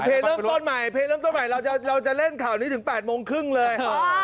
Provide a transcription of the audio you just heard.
เอาเพลงเริ่มต้นใหม่เราจะเล่นข่านี้ถึง๘โมงครึ่งเลย